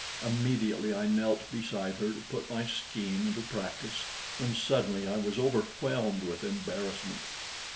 Immediately I knelt beside her to put my scheme into practice when suddenly I was overwhelmed with embarrassment.